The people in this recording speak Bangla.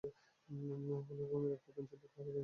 হলুদ রঙের একটা প্যান্ট ছিল আর গায়ে গেঞ্জি ছিল।